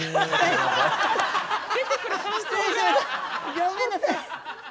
ギョめんなさい。